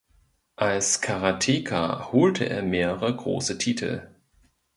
Als Karateka holte er mehrere große Titel.